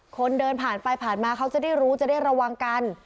คนเดินผ่านไปผ่านมาเขาจะได้รู้จะได้ระวังกัน